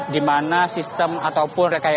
di mana sistem ataupun rekayasa